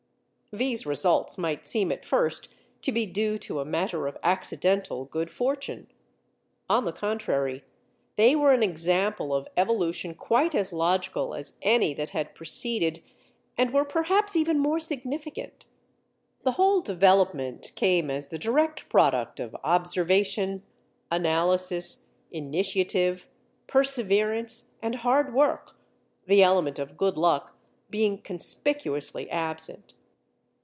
These results might seem at first, to be due to a matter of accidental good fortune. On the contrary, they were an example of evolution quite as logical as any that had preceded and were perhaps even more significant. The whole development came as the direct product of observation, analysis, initiative, perseverance, and hard work—the element of good luck being conspicuously absent.